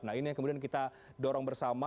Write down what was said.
nah ini yang kemudian kita dorong bersama